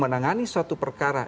menangani suatu perkara